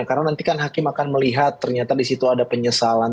karena nanti kan hakim akan melihat ternyata di situ ada penyesalan